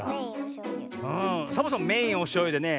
んサボさんメインはおしょうゆでね